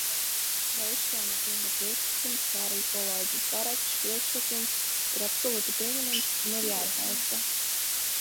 Leiškalna kunga priekšlikums, kā arī kolēģes Barčas priekšlikums ir absolūti pieņemams un ir jāatbalsta.